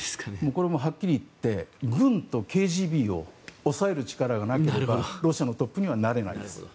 これははっきり言って軍とＫＧＢを抑える力がなければロシアのトップにはなれないです。